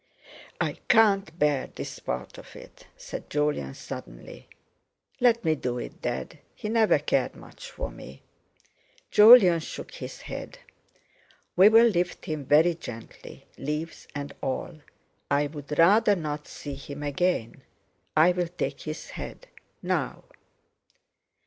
"I can't bear this part of it," said Jolyon suddenly. "Let me do it, Dad. He never cared much for me." Jolyon shook his head. "We'll lift him very gently, leaves and all. I'd rather not see him again. I'll take his head. Now!"